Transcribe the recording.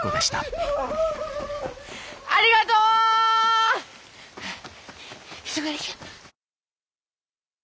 ありがとう！急がなきゃ。